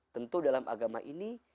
tentu dalam agama ini